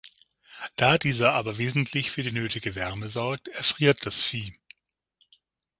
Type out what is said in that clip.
Da dieser aber wesentlich für die nötige Wärme sorgt, erfriert das Vieh.